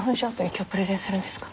今日プレゼンするんですか？